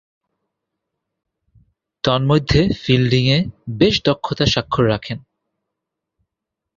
তন্মধ্যে, ফিল্ডিংয়ে বেশ দক্ষতার স্বাক্ষর রাখেন।